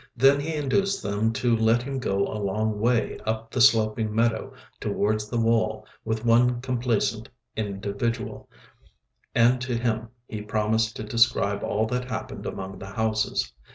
Then he induced them to let him go a long way up the sloping meadows towards the wall with one complaisant individual, and to him he promised to describe all that happened among the houses.